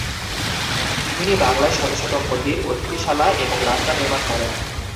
তিনি বাংলায় শত শত মন্দির, অতিথিশালা এবং রাস্তা নির্মাণ করেন।